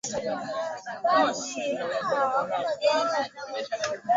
Tweka mbaka kilindini, kashushe nyavu zenu.